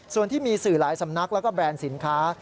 ส่วนที่มีสื่อหลายสำนักแล้วก็แบรนด์สินค้า